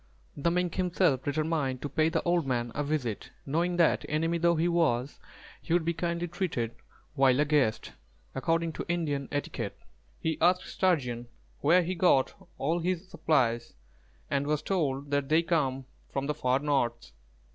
The Mink himself determined to pay the old man a visit, knowing that enemy though he was, he would be kindly treated while a guest, according to Indian etiquette. He asked Sturgeon where he got all his supplies, and was told that they came from the far north.